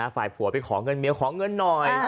ฝ่ายผัวไปขอเงินเมียขอเงินหน่อย